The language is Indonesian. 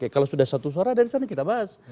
kalau sudah satu suara dari sana kita bahas